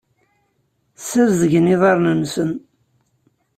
Ssazedgen iḍarren-nsen.